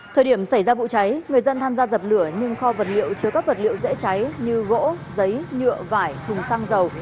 thời điểm xảy ra vụ cháy người dân tham gia dập lửa nhưng kho vật liệu chứa các vật liệu dễ cháy như gỗ giấy nhựa vải thùng xăng dầu